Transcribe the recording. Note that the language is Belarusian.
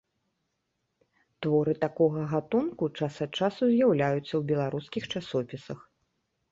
Творы такога гатунку час ад часу з'яўляюцца ў беларускіх часопісах.